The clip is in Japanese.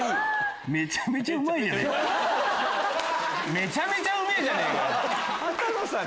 めちゃめちゃうめぇじゃねえか！